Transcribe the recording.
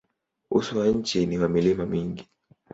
Uso wa nchi ni wa milima mingi.